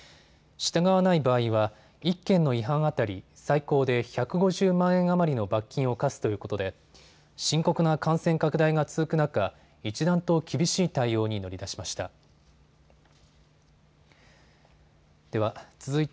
従わない場合は１件の違反当たり、最高で１５０万円余りの罰金を科すということで深刻な感染拡大が続く中、一段と厳しい対応に乗り出しました。